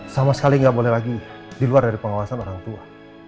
sama sekali nggak boleh lagi di luar dari pengawasan orang tua